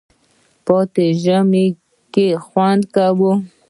پاتې په ژمي کی خوندکوی